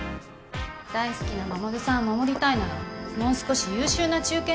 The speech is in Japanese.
大好きな衛さんを守りたいならもう少し優秀な忠犬になれば？